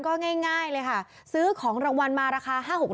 ก็ง่ายเลยค่ะซื้อของรางวัลมาราคา๕๖๐๐